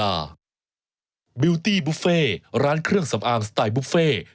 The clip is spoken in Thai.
อ่ะเดี๋ยวอีกสักครู่ค่ะ